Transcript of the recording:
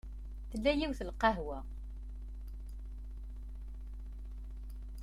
Tella yiwet n lqahwa.